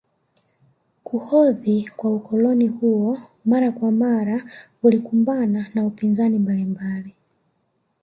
Kuhodhi kwa ukoloni huu mara kwa mara ulikumbana na upinzani mbalimbali